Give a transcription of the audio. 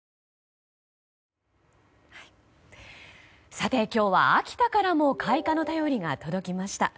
さて、今日は秋田からも開花の便りが届きました。